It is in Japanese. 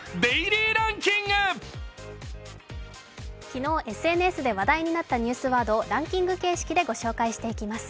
昨日ＳＮＳで話題になったワードをランキング形式でご紹介していきます。